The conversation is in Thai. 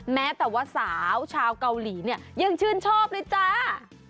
แม้แต่ว่าสาวชาวเกาหลีเนี่ยยังชื่นชอบเลยจ้า